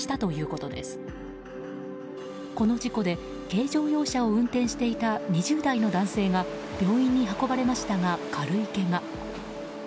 この事故で軽乗用車を運転していた２０代の男性が病院に運ばれましたが、軽いけが。